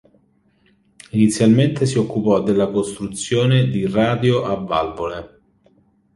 Inizialmente si occupò della costruzione di radio a valvole.